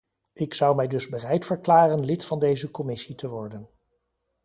Ik zou mij dus bereid verklaren lid van deze commissie te worden.